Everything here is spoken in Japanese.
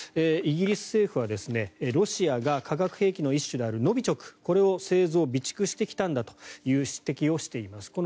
イギリス政府はロシアが化学兵器の一種であるノビチョク、これを製造・備蓄してきたんだという指摘をしています。